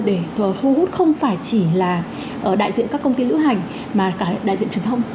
để thu hút không phải chỉ là đại diện các công ty lữ hành mà cả đại diện truyền thông